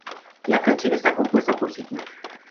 La canción está compuesta por signos.